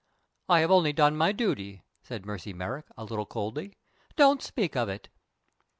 "I have only done my duty," said Mercy Merrick, a little coldly. "Don't speak of it."